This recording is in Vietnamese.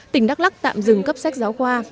tỉnh đắk lắc tạm dừng cấp sách giáo khoa